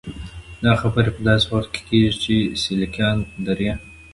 دا خبرې په داسې وخت کې کېږي چې د 'سیليکان درې'.